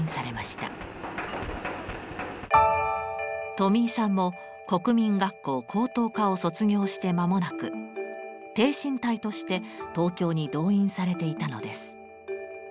とみいさんも国民学校高等科を卒業して間もなく挺身隊として東京に動員されていたのです。